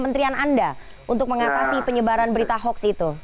kementerian anda untuk mengatasi penyebaran berita hoax itu